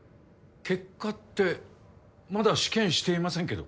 結果ってまだ試験していませんけど。